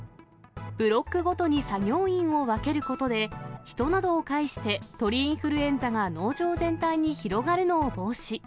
ブロックごとに作業員を分けることで、人などを介して鳥インフルエンザが農場全体に広がるのを防止。